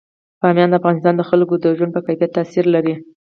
بامیان د افغانستان د خلکو د ژوند په کیفیت تاثیر لري.